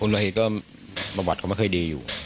โร่ไหลคือประวัติก็ไม่เคยดีอยู่